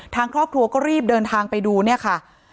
ทางครอบครัวก็รีบเดินทางไปดูเนี่ยค่ะ